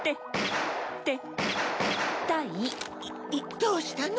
どうしたの？